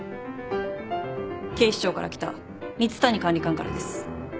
警視庁から来た蜜谷管理官からです。